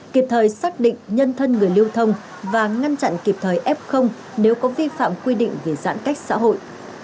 kịp thời xác định nhân thân người lưu thông và ngăn chặn kịp thời f nếu có vi phạm quy định về giãn cách xã hội